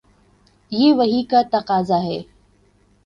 یہ وحی کا تقاضا ہے۔